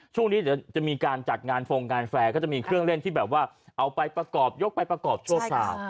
เดี๋ยวจะมีการจัดงานฟงงานแฟร์ก็จะมีเครื่องเล่นที่แบบว่าเอาไปประกอบยกไปประกอบชั่วคราว